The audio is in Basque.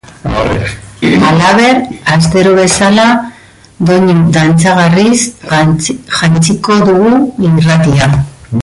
Halaber, astero bezala, doinu dantzagarriz jantziko dugu irratia.